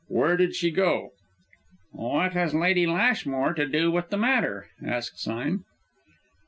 Where did she go?" "What has Lady Lashmore to do with the matter?" asked Sime.